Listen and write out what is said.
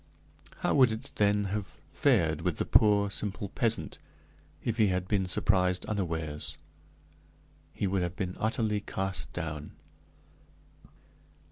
How would it, then, have fared with the poor, simple peasant, if he had been surprised unawares? He would have been utterly cast down.